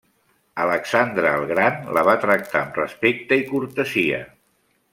Alexandre el Gran la va tractar amb respecte i cortesia.